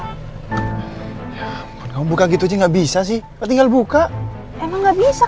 kenapa lagi susah kamu buka gitu nggak bisa sih tinggal buka emang nggak bisa